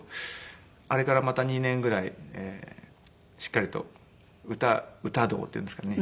あれからまた２年ぐらいしっかりと歌歌道っていうんですかね。